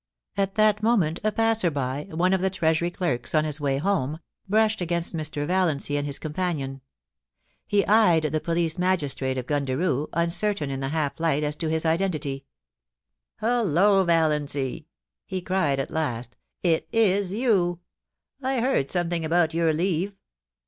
At that moment a passer by — one of the Treasury clerks on his way home — brushed against Mr. Valiancy and his cdmpanion. He eyed the police magistrate of Gundaroo, uncertain in the half light as to his identity. * Hullo, Valiancy !' he cried at last * It is you. I heard something about your leave.